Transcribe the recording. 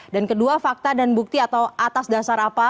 dan kedua fakta dan bukti atau atas dasar apa